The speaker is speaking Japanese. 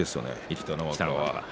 北の若はね。